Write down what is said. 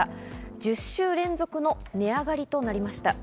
１０週連続の値上がりとなりました。